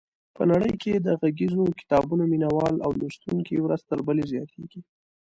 په نړۍ کې د غږیزو کتابونو مینوال او لوستونکي ورځ تر بلې زیاتېږي.